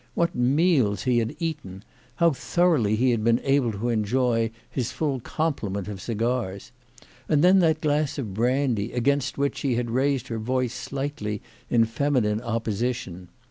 What meals he had eaten ! How thoroughly he had been able to enjoy his full complement of cigars ! And then that glass of brandy, against which she had raised her voice slightly in feminine opposition.